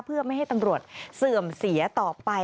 เพื่อไม่ให้ตำรวจเสื่อมเสียต่อไป